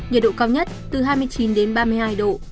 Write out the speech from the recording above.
nhiệt độ cao nhất từ hai mươi chín đến ba mươi hai độ